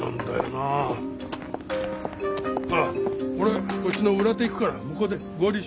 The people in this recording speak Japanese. あっ俺こっちの裏手行くから向こうで合流しよう。